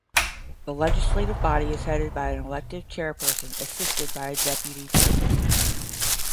The legislative body is headed by an elected Chairperson assisted by a Deputy Chairperson.